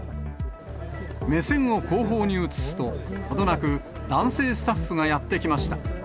目線を後方に移すと、程なく、男性スタッフがやって来ました。